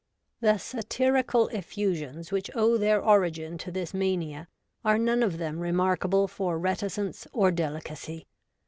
The satirical effusions which owe their origin to this mania are none of them remarkable for reticence or delicacy.